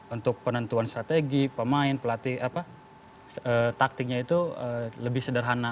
untuk penentuan strategi pemain pelatih taktiknya itu lebih sederhana